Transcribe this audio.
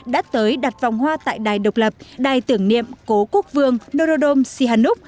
đã tới đặt vòng hoa tại đài độc lập đài tưởng niệm cố quốc vương norodom sihanuk